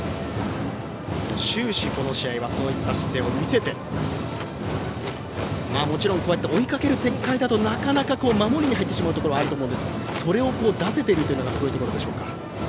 終始、この試合はそういった姿勢を見せてもちろん追いかける展開だとなかなか守りに入ってしまうところがあると思うんですがそれを出せているというのがすごいところでしょうか。